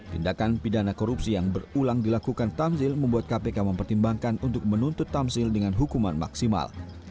tindakan pidana korupsi yang berulang dilakukan tamzil membuat kpk mempertimbangkan untuk menuntut tamzil dengan hukuman maksimal